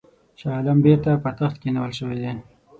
شاه عالم بیرته پر تخت کښېنول شوی دی.